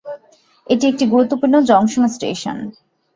এটি একটি গুরুত্বপূর্ণ জংশন স্টেশন।